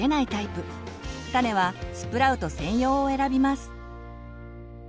種はスプラウト専用を選びます。